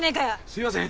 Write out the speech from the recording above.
すみません！